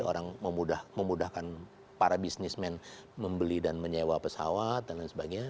orang memudahkan para bisnismen membeli dan menyewa pesawat dan lain sebagainya